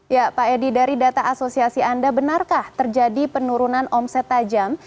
ya pak edi dari data asosiasi anda benarkah terjadi penurunan omset tajam